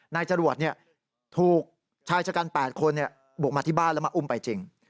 นายจรวดถูกชายชะกัน๘คนบุกมาที่บ้านแล้วมาอุ้มไปจริง